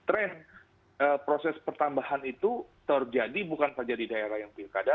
tren proses pertambahan itu terjadi bukan saja di daerah yang pilkada